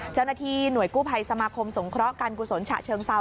เจ้าหน้าที่หน่วยกู้ภัยสมาคมสงเคราะห์การกุศลฉะเชิงเซา